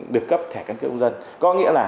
được cấp thẻ căn cước công dân có nghĩa là